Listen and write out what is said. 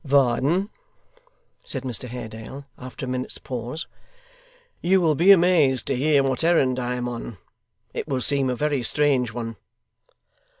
'Varden,' said Mr Haredale, after a minute's pause, 'you will be amazed to hear what errand I am on; it will seem a very strange one.